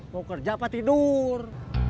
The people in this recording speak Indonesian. mau kerja apa tidur